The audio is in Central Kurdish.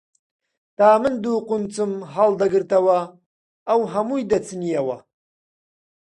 تا من دوو قونچکم هەڵدەگرتەوە، ئەو هەمووی دەچنینەوە